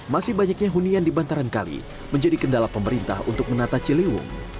masih banyaknya hunian di bantaran kali menjadi kendala pemerintah untuk menata ciliwung